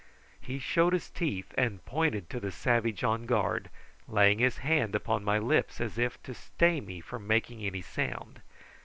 He showed his teeth and pointed to the savage on guard, laying his hand upon my lips as if to stay me from making any sound.